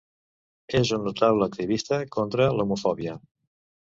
És un notable activista contra l'homofòbia.